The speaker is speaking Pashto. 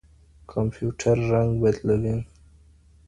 کمپيوټر رنګ بدلوي.